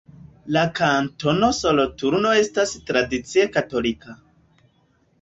La Kantono Soloturno estas tradicie katolika.